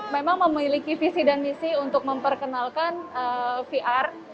memang memiliki visi dan misi untuk memperkenalkan vr